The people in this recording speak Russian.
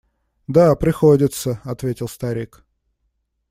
– Да, приходится, – ответил старик.